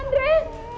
mas aku mau